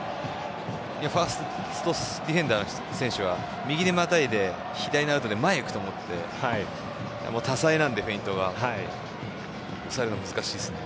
ファーストディフェンダーの選手は右にまたいで左のアウトで前に行くと思って多彩なのでフェイントが抑えるの難しいですね。